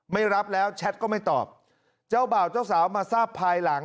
ไม่รับแล้วแชทก็ไม่ตอบเจ้าบ่าวเจ้าสาวมาทราบภายหลัง